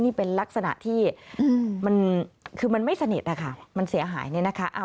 นี่เป็นลักษณะที่มันคือมันไม่สนิทนะคะมันเสียหายเนี่ยนะคะ